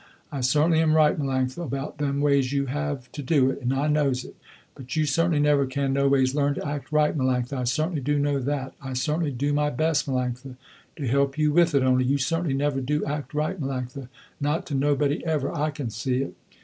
I certainly am right Melanctha about them ways you have to do it, and I knows it; but you certainly never can noways learn to act right Melanctha, I certainly do know that, I certainly do my best Melanctha to help you with it only you certainly never do act right Melanctha, not to nobody ever, I can see it.